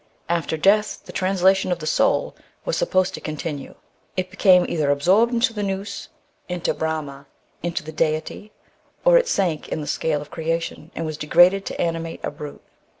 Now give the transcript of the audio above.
After death the translation of the soul was supposed to continue. It became either absorbed into the notis, into Brahma, into the deity, or it sank in the scale of creation, and was degraded to animate a brute.